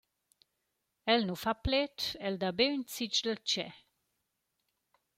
El nu fa pled, el dà be ün zich dal cheu.